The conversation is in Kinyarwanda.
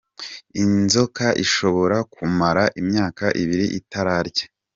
Inzoka ishobora kumara imyaka ibiri itararya.